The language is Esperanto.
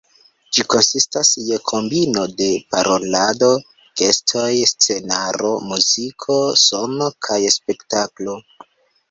Ĝi konsistas je kombino de parolado, gestoj, scenaro, muziko, sono kaj spektaklo.